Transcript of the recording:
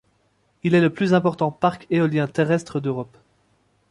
Il est le plus important parc éolien terrestre d'Europe.